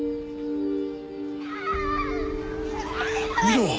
見ろ